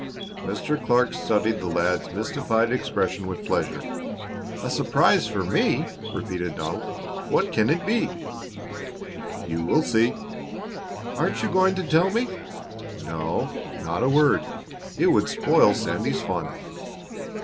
Mr. Clark studied the lad's mystified expression with pleasure. "A surprise for me!" repeated Donald. "What can it be!" "You will see." "Aren't you going to tell me?" "No, not a word. It would spoil Sandy's fun."